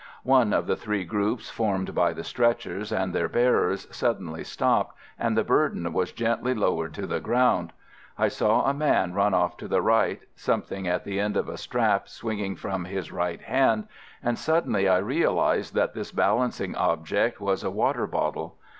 One of the three groups formed by the stretchers and their bearers suddenly stopped, and the burden was gently lowered to the ground. I saw a man run off to the right, something at the end of a strap swinging from his right hand, and suddenly I realised that this balancing object was a water bottle.